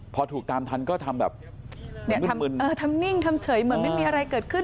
พอถูกตามทันก็ทำแบบเนี่ยทำนิ่งทำเฉยเหมือนไม่มีอะไรเกิดขึ้น